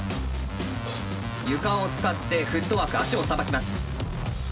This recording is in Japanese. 床を使ってフットワーク足をさばきます。